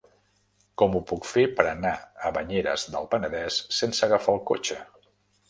Com ho puc fer per anar a Banyeres del Penedès sense agafar el cotxe?